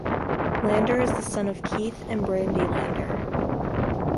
Lander is the son of Keith and Brandie Lander.